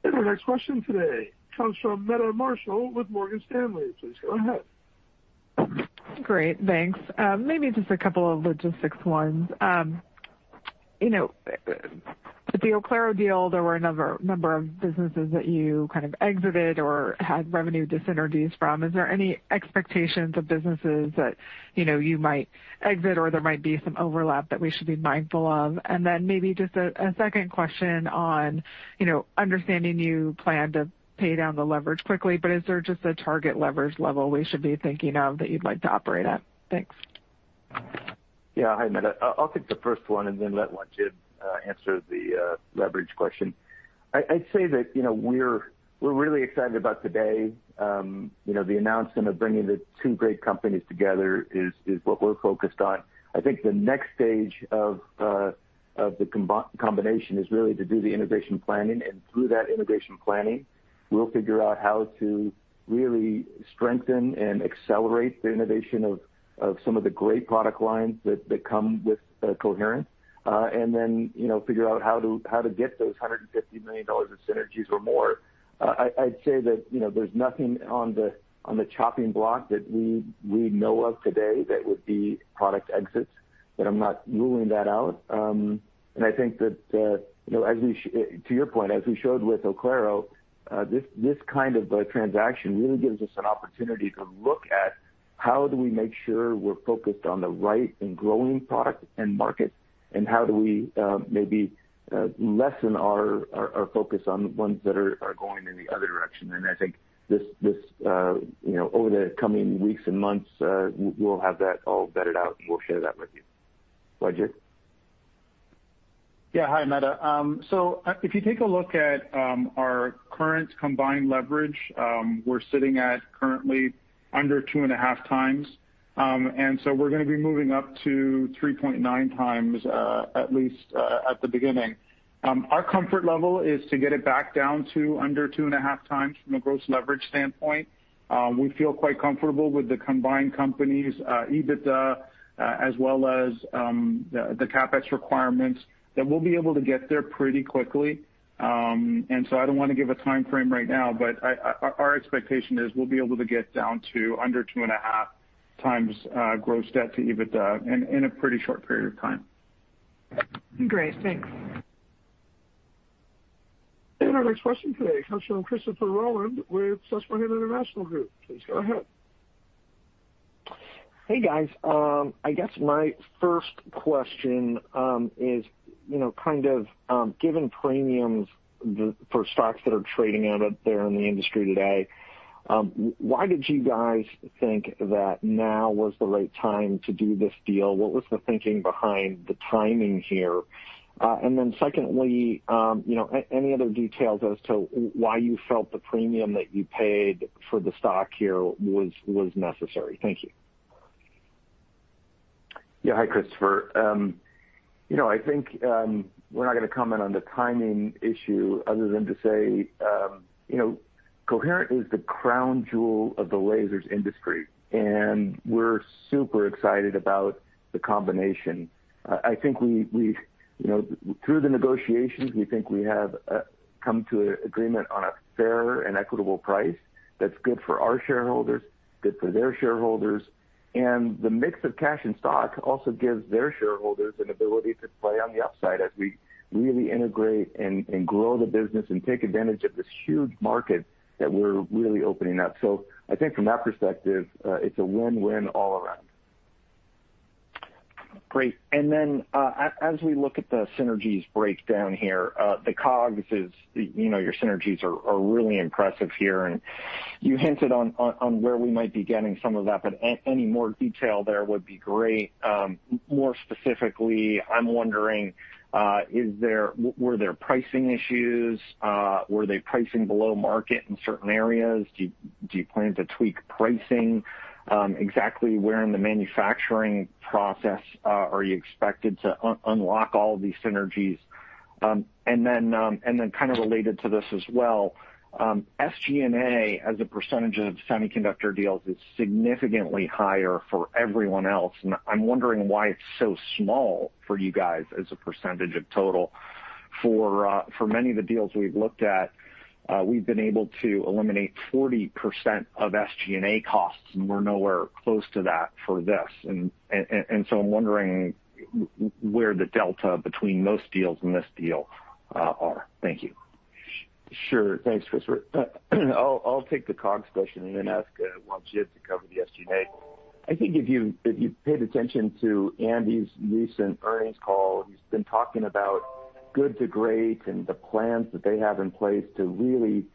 And our next question today comes from Meta Marshall with Morgan Stanley. Please go ahead. Great. Thanks. Maybe just a couple of logistics ones. With the Oclaro deal, there were a number of businesses that you kind of exited or had revenue disintermediated from. Is there any expectations of businesses that you might exit or there might be some overlap that we should be mindful of? And then maybe just a second question on understanding you plan to pay down the leverage quickly, but is there just a target leverage level we should be thinking of that you'd like to operate at? Thanks. Yeah. Hi, Meta. I'll take the first one and then let Wajid answer the leverage question. I'd say that we're really excited about today. The announcement of bringing the two great companies together is what we're focused on. I think the next stage of the combination is really to do the integration planning, and through that integration planning, we'll figure out how to really strengthen and accelerate the innovation of some of the great product lines that come with Coherent and then figure out how to get those $150 million in synergies or more. I'd say that there's nothing on the chopping block that we know of today that would be product exits, but I'm not ruling that out. I think that, to your point, as we showed with Oclaro, this kind of transaction really gives us an opportunity to look at how do we make sure we're focused on the right and growing product and market, and how do we maybe lessen our focus on ones that are going in the other direction. I think over the coming weeks and months, we'll have that all vetted out, and we'll share that with you. Wajid. Yeah. Hi, Meta. So if you take a look at our current combined leverage, we're sitting at currently under two and a half times, and so we're going to be moving up to 3.9x, at least at the beginning. Our comfort level is to get it back down to under two and a half times from a gross leverage standpoint. We feel quite comfortable with the combined companies' EBITDA, as well as the CapEx requirements that we'll be able to get there pretty quickly, and so I don't want to give a timeframe right now, but our expectation is we'll be able to get down to under two and a half times gross debt to EBITDA in a pretty short period of time. Great. Thanks. And our next question today comes from Christopher Rolland with Susquehanna International Group. Please go ahead. Hey, guys. I guess my first question is kind of given premiums for stocks that are trading out there in the industry today, why did you guys think that now was the right time to do this deal? What was the thinking behind the timing here? And then secondly, any other details as to why you felt the premium that you paid for the stock here was necessary? Thank you. Yeah. Hi, Christopher. I think we're not going to comment on the timing issue other than to say Coherent is the crown jewel of the lasers industry, and we're super excited about the combination. I think through the negotiations, we think we have come to an agreement on a fair and equitable price that's good for our shareholders, good for their shareholders, and the mix of cash and stock also gives their shareholders an ability to play on the upside as we really integrate and grow the business and take advantage of this huge market that we're really opening up. So I think from that perspective, it's a win-win all around. Great. And then as we look at the synergies breakdown here, the COGS, your synergies are really impressive here. And you hinted on where we might be getting some of that, but any more detail there would be great. More specifically, I'm wondering, were there pricing issues? Were they pricing below market in certain areas? Do you plan to tweak pricing? Exactly where in the manufacturing process are you expected to unlock all of these synergies? And then kind of related to this as well, SG&A as a percentage of semiconductor deals is significantly higher for everyone else. And I'm wondering why it's so small for you guys as a percentage of total. For many of the deals we've looked at, we've been able to eliminate 40% of SG&A costs, and we're nowhere close to that for this. I'm wondering where the delta between most deals and this deal are. Thank you. Sure. Thanks, Christopher. I'll take the COGS question and then ask Wajid to cover the SG&A. I think if you paid attention to Andy's recent earnings call, he's been talking about Good to Great and the plans that they have in place to really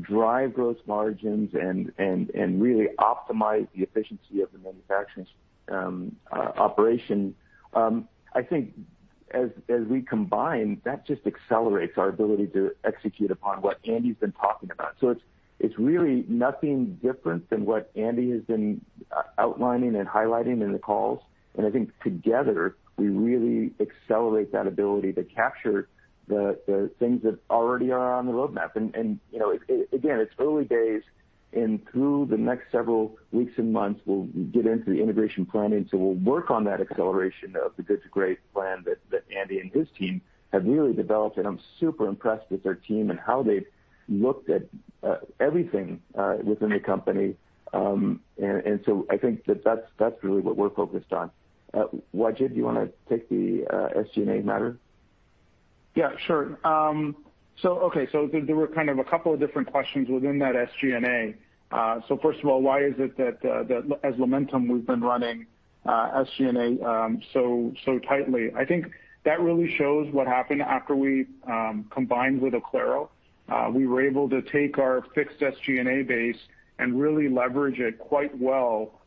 drive gross margins and really optimize the efficiency of the manufacturing operation. I think as we combine, that just accelerates our ability to execute upon what Andy's been talking about, so it's really nothing different than what Andy has been outlining and highlighting in the calls, and I think together, we really accelerate that ability to capture the things that already are on the roadmap, and again, it's early days, and through the next several weeks and months, we'll get into the integration planning, so we'll work on that acceleration of the Good to Great plan that Andy and his team have really developed. And I'm super impressed with their team and how they've looked at everything within the company. And so I think that that's really what we're focused on. Wajid, do you want to take the SG&A matter? Yeah. Sure. So okay. So there were kind of a couple of different questions within that SG&A. So first of all, why is it that as Lumentum, we've been running SG&A so tightly? I think that really shows what happened after we combined with Oclaro. We were able to take our fixed SG&A base and really leverage it quite well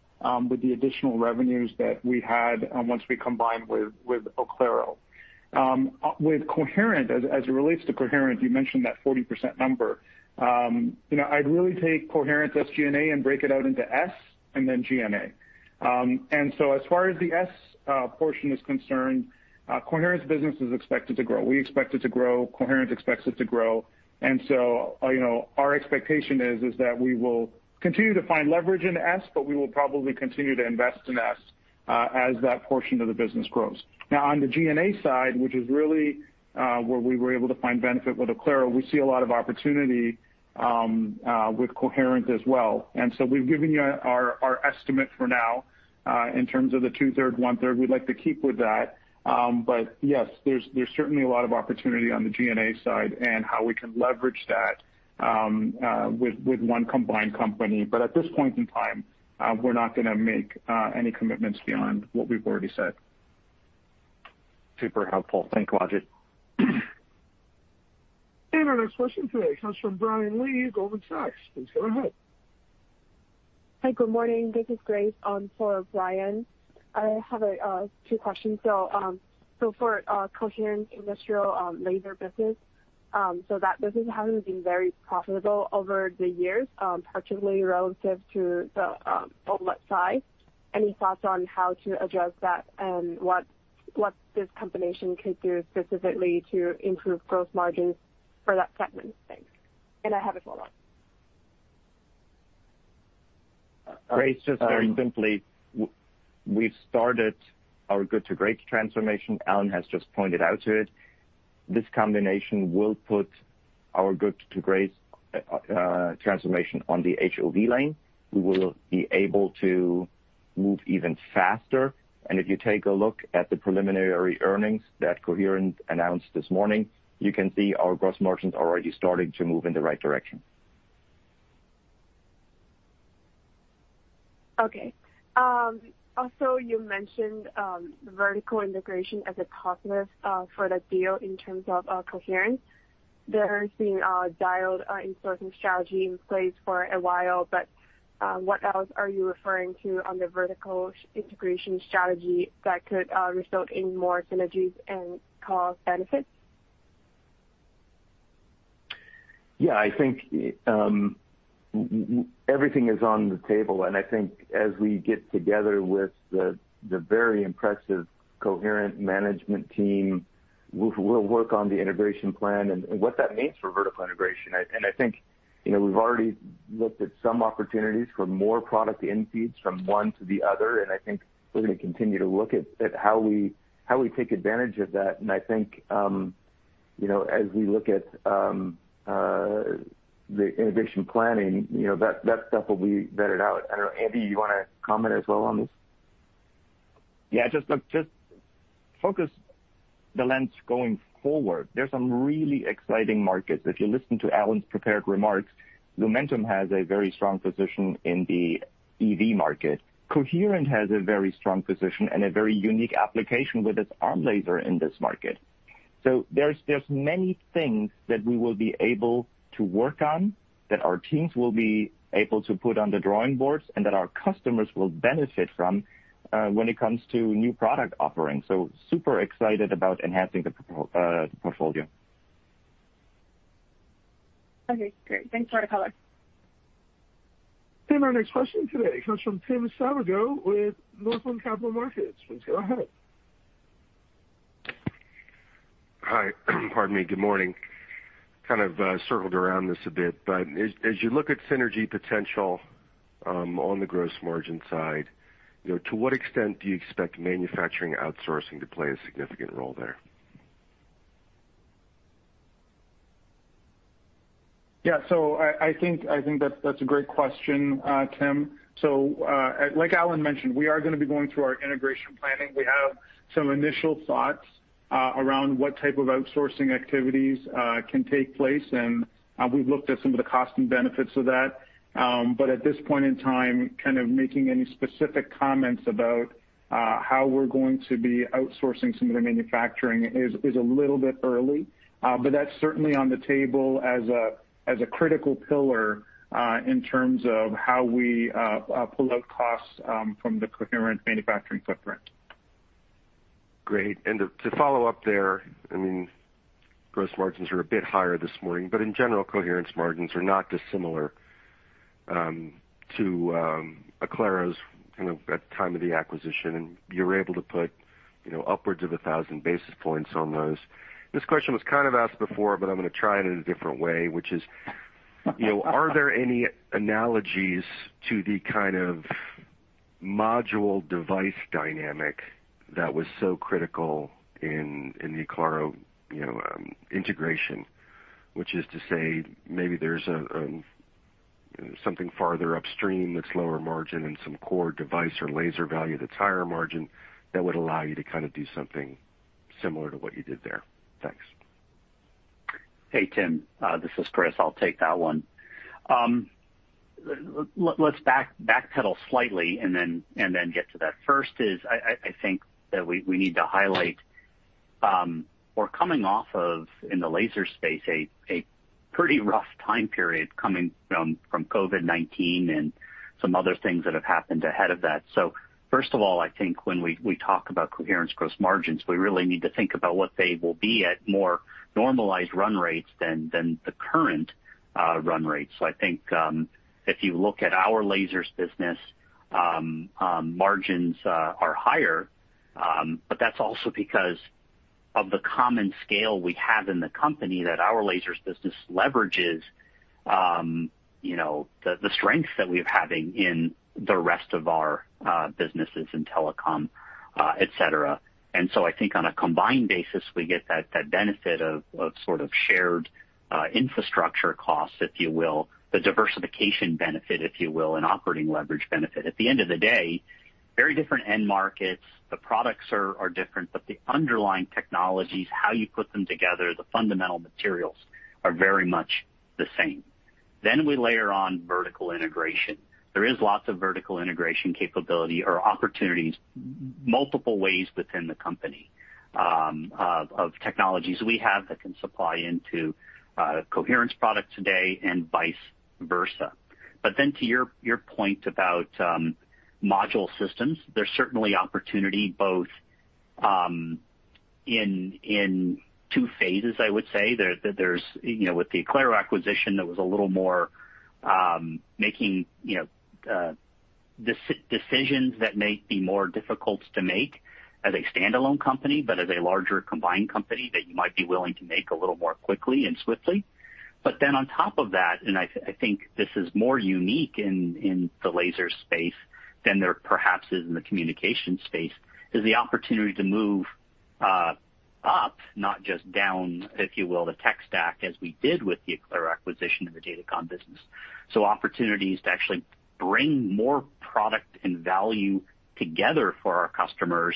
with the additional revenues that we had once we combined with Oclaro. With Coherent, as it relates to Coherent, you mentioned that 40% number. I'd really take Coherent's SG&A and break it out into S and then G&A. And so as far as the S portion is concerned, Coherent's business is expected to grow. We expect it to grow. Coherent expects it to grow. And so our expectation is that we will continue to find leverage in S, but we will probably continue to invest in S as that portion of the business grows. Now, on the G&A side, which is really where we were able to find benefit with Oclaro, we see a lot of opportunity with Coherent as well. And so we've given you our estimate for now in terms of the two-thirds, one-third. We'd like to keep with that. But yes, there's certainly a lot of opportunity on the G&A side and how we can leverage that with one combined company. But at this point in time, we're not going to make any commitments beyond what we've already said. Super helpful. Thanks, Wajid. Our next question today comes from Brian Lee of Goldman Sachs. Please go ahead. Hi. Good morning. This is Grace on for Brian. I have two questions. So for Coherent industrial laser business, so that business has been very profitable over the years, particularly relative to the OLED side. Any thoughts on how to address that and what this combination could do specifically to improve gross margins for that segment? Thanks. And I have a follow-up. Grace, just very simply, we've started our Good to Great transformation. Alan has just pointed out to it. This combination will put our Good to Great transformation on the HOV lane. We will be able to move even faster, and if you take a look at the preliminary earnings that Coherent announced this morning, you can see our gross margins are already starting to move in the right direction. Okay. Also, you mentioned vertical integration as a topic for the deal in terms of Coherent. There's been a deliberate insourcing strategy in place for a while, but what else are you referring to on the vertical integration strategy that could result in more synergies and cost benefits? Yeah. I think everything is on the table. And I think as we get together with the very impressive Coherent management team, we'll work on the integration plan and what that means for vertical integration. And I think we've already looked at some opportunities for more product synergies from one to the other. And I think we're going to continue to look at how we take advantage of that. And I think as we look at the integration planning, that stuff will be vetted out. I don't know. Andy, you want to comment as well on this? Yeah. Just focus the lens going forward. There's some really exciting markets. If you listen to Alan's prepared remarks, Lumentum has a very strong position in the EV market. Coherent has a very strong position and a very unique application with its ARM laser in this market. So there's many things that we will be able to work on that our teams will be able to put on the drawing boards and that our customers will benefit from when it comes to new product offering. So super excited about enhancing the portfolio. Okay. Great. Thanks for the color. Our next question today comes from Tim Savageaux with Northland Capital Markets. Please go ahead. Hi. Pardon me. Good morning. Kind of circled around this a bit, but as you look at synergy potential on the gross margin side, to what extent do you expect manufacturing outsourcing to play a significant role there? Yeah. So I think that's a great question, Tim. So like Alan mentioned, we are going to be going through our integration planning. We have some initial thoughts around what type of outsourcing activities can take place. And we've looked at some of the cost and benefits of that. But at this point in time, kind of making any specific comments about how we're going to be outsourcing some of the manufacturing is a little bit early. But that's certainly on the table as a critical pillar in terms of how we pull out costs from the Coherent manufacturing footprint. Great. And to follow up there, I mean, gross margins are a bit higher this morning, but in general, Coherent's margins are not dissimilar to Oclaro's kind of at the time of the acquisition. And you were able to put upwards of 1,000 basis points on those. This question was kind of asked before, but I'm going to try it in a different way, which is, are there any analogies to the kind of module device dynamic that was so critical in the Oclaro integration, which is to say maybe there's something farther upstream that's lower margin and some core device or laser value that's higher margin that would allow you to kind of do something similar to what you did there? Thanks. Hey, Tim. This is Chris. I'll take that one. Let's backpedal slightly and then get to that. First is, I think that we need to highlight we're coming off of, in the laser space, a pretty rough time period coming from COVID-19 and some other things that have happened ahead of that. So first of all, I think when we talk about Coherent's gross margins, we really need to think about what they will be at more normalized run rates than the current run rates. So I think if you look at our lasers business, margins are higher, but that's also because of the common scale we have in the company that our lasers business leverages the strengths that we're having in the rest of our businesses in telecom, etc. And so I think on a combined basis, we get that benefit of sort of shared infrastructure costs, if you will, the diversification benefit, if you will, and operating leverage benefit. At the end of the day, very different end markets. The products are different, but the underlying technologies, how you put them together, the fundamental materials are very much the same. Then we layer on vertical integration. There is lots of vertical integration capability or opportunities multiple ways within the company of technologies we have that can supply into Coherent's products today and vice versa. But then to your point about module systems, there's certainly opportunity both in two phases, I would say. There was, with the Oclaro acquisition, there was a little more making decisions that may be more difficult to make as a standalone company, but as a larger combined company that you might be willing to make a little more quickly and swiftly. But then on top of that, and I think this is more unique in the laser space than there perhaps is in the communication space, is the opportunity to move up, not just down, if you will, the tech stack as we did with the Oclaro acquisition and the datacom business. So opportunities to actually bring more product and value together for our customers,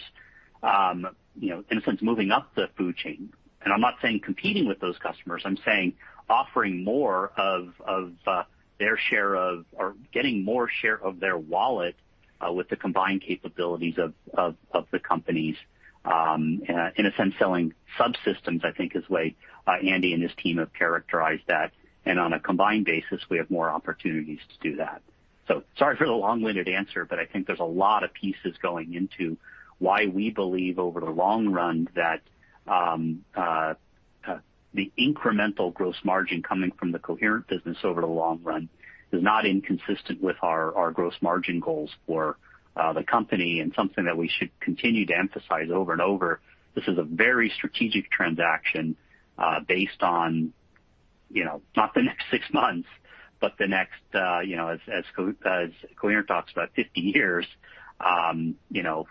in a sense, moving up the food chain. And I'm not saying competing with those customers. I'm saying offering more of their share of or getting more share of their wallet with the combined capabilities of the companies. In a sense, selling subsystems, I think, is the way Andy and his team have characterized that. And on a combined basis, we have more opportunities to do that. So sorry for the long-winded answer, but I think there's a lot of pieces going into why we believe over the long run that the incremental gross margin coming from the Coherent business over the long run is not inconsistent with our gross margin goals for the company and something that we should continue to emphasize over and over. This is a very strategic transaction based on not the next six months, but the next, as Coherent talks about 50 years. I'm not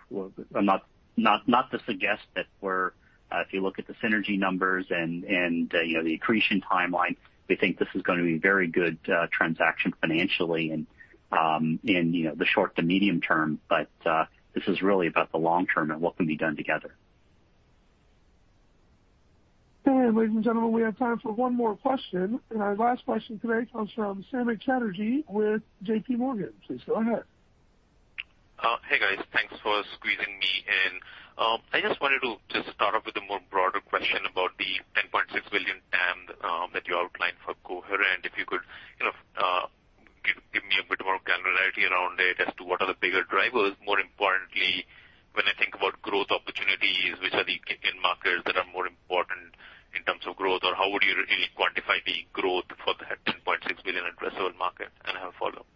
to suggest that we're, if you look at the synergy numbers and the accretion timeline, we think this is going to be a very good transaction financially in the short to medium term, but this is really about the long term and what can be done together. Ladies and gentlemen, we have time for one more question. Our last question today comes from Samik Chatterjee with JPMorgan. Please go ahead. Hey, guys. Thanks for squeezing me in. I just wanted to just start off with a more broader question about the $10.6 billion TAM that you outlined for Coherent. If you could give me a bit more granularity around it as to what are the bigger drivers? More importantly, when I think about growth opportunities, which are the end markets that are more important in terms of growth, or how would you really quantify the growth for that $10.6 billion addressable market? And I have a follow-up. Thank you.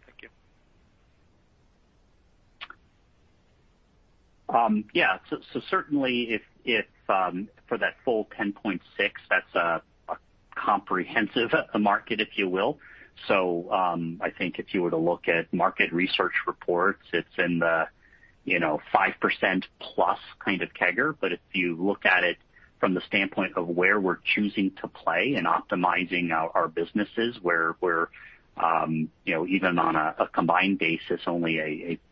Yeah. So certainly, for that full 10.6, that's a comprehensive market, if you will. So I think if you were to look at market research reports, it's in the 5% plus kind of CAGR. But if you look at it from the standpoint of where we're choosing to play and optimizing our businesses, where we're even on a combined basis, only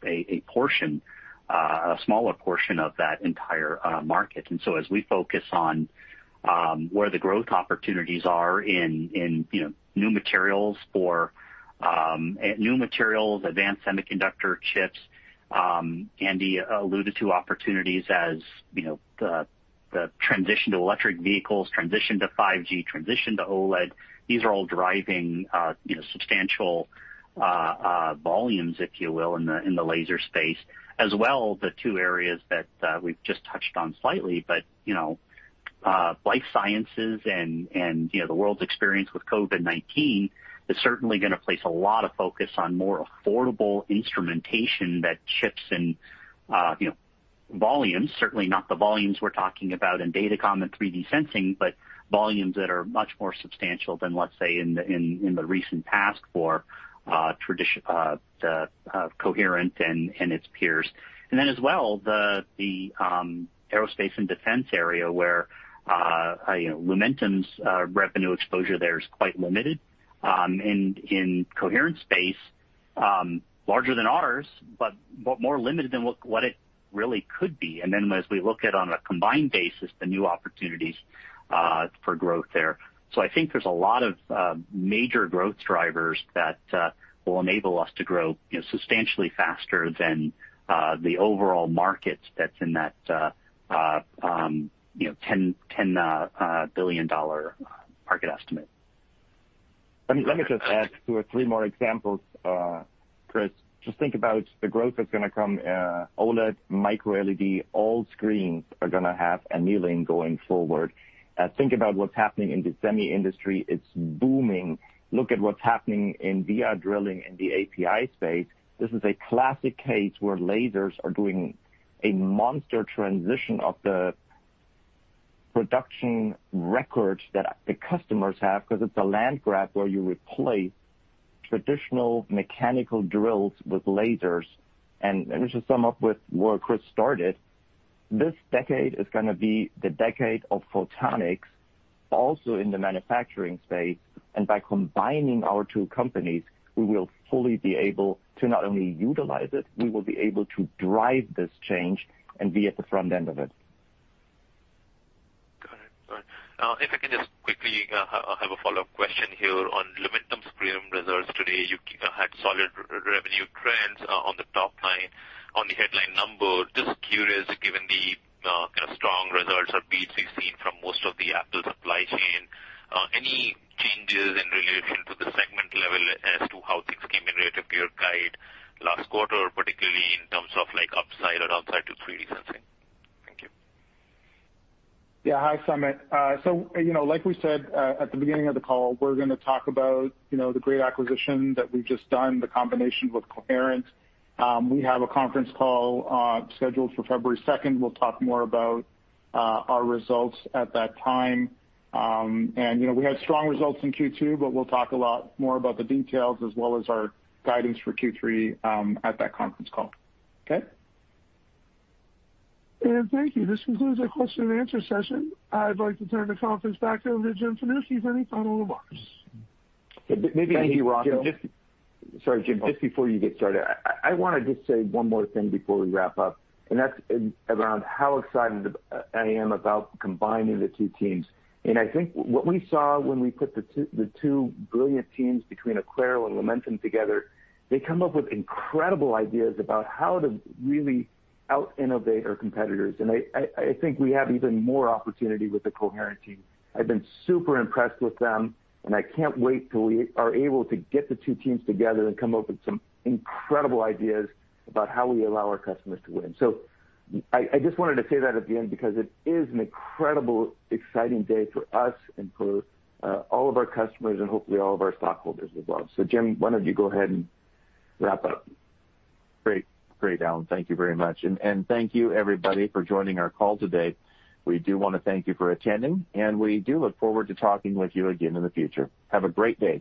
a portion, a smaller portion of that entire market, and so as we focus on where the growth opportunities are in new materials for new materials, advanced semiconductor chips, Andy alluded to opportunities as the transition to electric vehicles, transition to 5G, transition to OLED. These are all driving substantial volumes, if you will, in the laser space, as well as the two areas that we've just touched on slightly. But life sciences and the world's experience with COVID-19 is certainly going to place a lot of focus on more affordable instrumentation that shifts in volumes, certainly not the volumes we're talking about in datacom and 3D sensing, but volumes that are much more substantial than, let's say, in the recent past for Coherent and its peers. And then as well, the aerospace and defense area where Lumentum's revenue exposure there is quite limited in Coherent space, larger than ours, but more limited than what it really could be. And then as we look at on a combined basis, the new opportunities for growth there. So I think there's a lot of major growth drivers that will enable us to grow substantially faster than the overall market that's in that $10 billion market estimate. Let me just add two or three more examples, Chris. Just think about the growth that's going to come. OLED, microLED, all screens are going to have annealing going forward. Think about what's happening in the semi industry. It's booming. Look at what's happening in via drilling in the HDI space. This is a classic case where lasers are doing a monster transition of the production records that the customers have because it's a land grab where you replace traditional mechanical drills with lasers. And let me just sum up with where Chris started. This decade is going to be the decade of photonics also in the manufacturing space. And by combining our two companies, we will fully be able to not only utilize it, we will be able to drive this change and be at the front end of it. Got it. If I can just quickly have a follow-up question here on Lumentum's preliminary results today. You had solid revenue trends on the top line, on the headline number. Just curious, given the kind of strong results or beats we've seen from most of the Apple supply chain, any changes in relation to the segment level as to how things came in relative to your guide last quarter, particularly in terms of upside or downside to 3D sensing? Thank you. Yeah. Hi, Samik. So like we said at the beginning of the call, we're going to talk about the great acquisition that we've just done, the combination with Coherent. We have a conference call scheduled for February 2nd. We'll talk more about our results at that time. And we had strong results in Q2, but we'll talk a lot more about the details as well as our guidance for Q3 at that conference call. Okay? Thank you. This concludes our question and answer session. I'd like to turn the conference back over to Jim Fanucchi for any final remarks. Thank you, Wajid. Sorry, Jim. Just before you get started, I want to just say one more thing before we wrap up, and that's around how excited I am about combining the two teams. And I think what we saw when we put the two brilliant teams between Oclaro and Lumentum together, they come up with incredible ideas about how to really out-innovate our competitors, and I think we have even more opportunity with the Coherent team. I've been super impressed with them, and I can't wait till we are able to get the two teams together and come up with some incredible ideas about how we allow our customers to win, so I just wanted to say that at the end because it is an incredibly exciting day for us and for all of our customers and hopefully all of our stockholders as well. So, Jim, why don't you go ahead and wrap up? Great. Great, Alan. Thank you very much. And thank you, everybody, for joining our call today. We do want to thank you for attending, and we do look forward to talking with you again in the future. Have a great day.